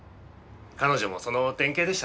彼女もその典型でしたね。